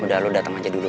udah lo dateng aja dulu